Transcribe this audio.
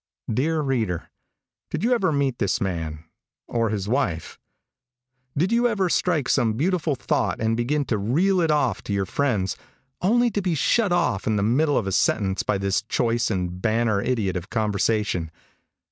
Dear reader, did you ever meet this man or his wife? Did you ever strike some beautiful thought and begin to reel it off to your friends only to be shut off in the middle of a sentence by this choice and banner idiot of conversation?